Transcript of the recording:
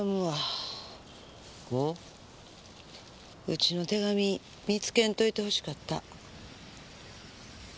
ウチの手紙見つけんといて欲しかった。